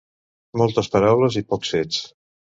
Moltes paraules i pocs fets.